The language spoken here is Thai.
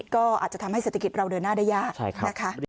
ก็อาจจะทำให้เศรษฐกิจเราเดินหน้าได้ยากนะคะ